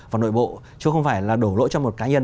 và nội bộ chứ không phải là đổ lỗi cho một cá nhân